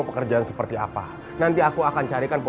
pasti obat itu mahal kan